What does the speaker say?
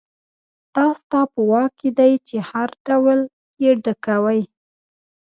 دا ستا په واک کې دي چې هر ډول یې ډکوئ.